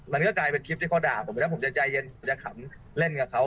มันก็กลายเป็นคลิปที่เขาด่าผมไปแล้วผมจะใจเย็นจะขำเล่นกับเขา